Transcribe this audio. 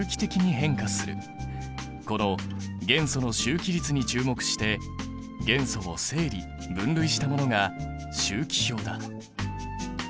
この元素の周期律に注目して元素を整理分類したものが周期表だ。